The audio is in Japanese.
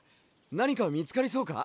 何か見つかりそうか？